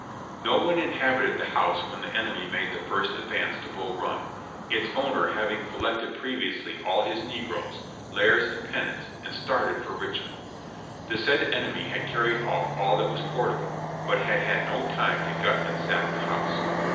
No one inhabited the house when the enemy made the first advance to Bull Run, its owner having collected previously all his negroes, 'lares and penates," and started for Richmond. The said enemy had carried off all that was portable, but had had no time to gut and sack the house.